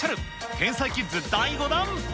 天才キッズ第５弾。